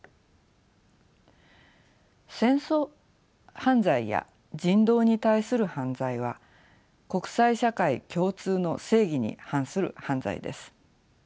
戦争犯罪や人道に対する犯罪は国際社会共通の正義に反する犯罪です。